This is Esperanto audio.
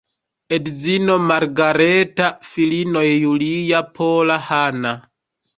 Edzino Margareta, filinoj Julia, Pola, Hanna.